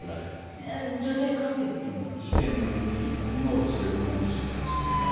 事件の日に女を連れ込もうとしてたらしいんだよね。